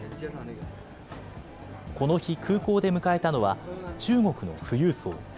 この日、空港で迎えたのは、中国の富裕層。